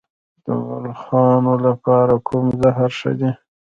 د ملخانو لپاره کوم زهر ښه دي؟